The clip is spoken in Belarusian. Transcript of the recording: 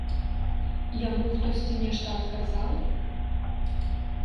Яму хтосьці нешта адказаў?